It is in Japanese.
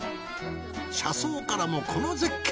車窓からもこの絶景！